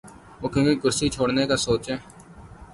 وہ کیونکر کرسی چھوڑنے کا سوچیں؟